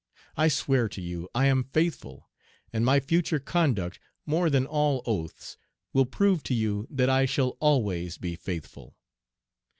I swear to you I am faithful, and my future conduct, more than all oaths, will prove to you that I shall always be faithful.